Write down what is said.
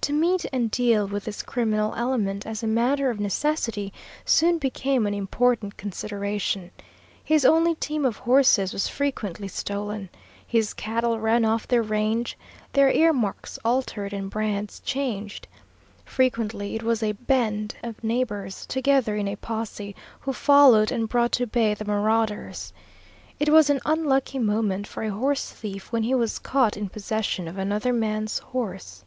To meet and deal with this criminal element as a matter of necessity soon became an important consideration. His only team of horses was frequently stolen. His cattle ran off their range, their ear marks altered and brands changed. Frequently it was a band of neighbors, together in a posse, who followed and brought to bay the marauders. It was an unlucky moment for a horse thief when he was caught in possession of another man's horse.